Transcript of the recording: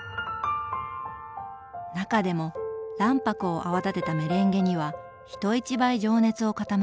中でも卵白を泡立てたメレンゲには人一倍情熱を傾けました。